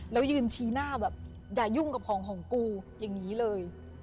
แล้วยืนชี้หน้าแบบอย่ายุ่งกับของของกูอย่างนี้เลย